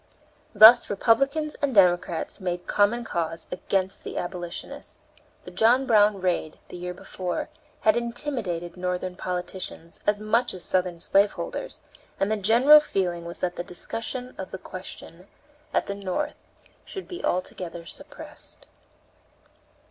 Thus Republicans and Democrats made common cause against the abolitionists. The John Brown raid, the year before, had intimidated Northern politicians as much as Southern slaveholders, and the general feeling was that the discussion of the question at the North should be altogether suppressed.